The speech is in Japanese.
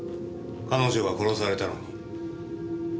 彼女が殺されたのに。